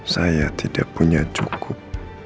saya tidak punya cukup